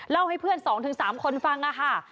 เล่าให้เพื่อน๒๓คนฟังค่ะ